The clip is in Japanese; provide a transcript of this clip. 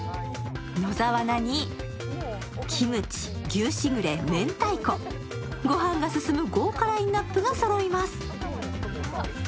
野沢菜にキムチ、牛しぐれめんたいこ、ごはんが進む豪華ラインナップがそろいます。